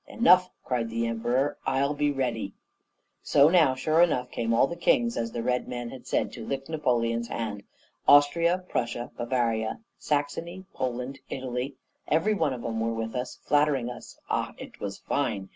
'Enough,' cried the Emperor, 'I'll be ready.' "So now, sure enough, came all the kings, as the Red Man had said, to lick Napoleon's hand! Austria, Prussia, Bavaria, Saxony, Poland, Italy, every one of them were with us, flattering us; ah, it was fine!